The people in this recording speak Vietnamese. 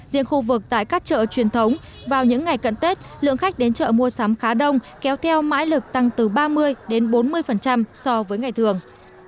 riêng khu vực tại các chợ truyền thống vào những ngày cận tết lượng khách đến chợ mua sắm khá đông kéo theo mãi lực tăng từ ba mươi đến bốn mươi so với ngày thường